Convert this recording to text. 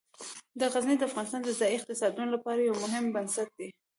غزني د افغانستان د ځایي اقتصادونو لپاره یو مهم بنسټ دی.